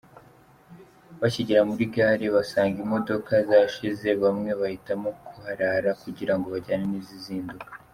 Bakigera muri gare basanga imodoka zashize bamwe bahitamo kuharara kugira ngo bajyane n’izizinduka.